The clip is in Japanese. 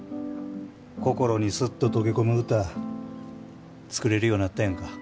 心にスッと溶け込む歌作れるようなったやんか。